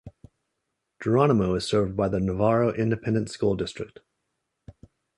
Geronimo is served by the Navarro Independent School District.